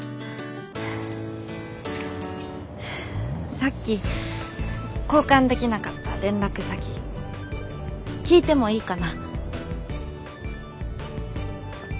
さっき交換できなかった連絡先聞いてもいいかな？